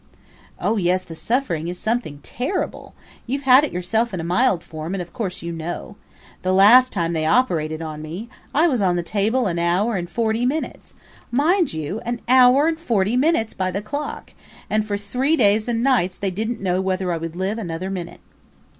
... "Oh yes, the suffering is something terrible. You've had it yourself in a mild form and of course you know. The last time they operated on me, I was on the table an hour and forty minutes mind you, an hour and forty minutes by the clock and for three days and nights they didn't know whether I would live another minute."